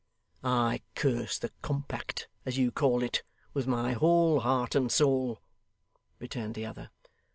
'I curse the compact, as you call it, with my whole heart and soul,' returned the other.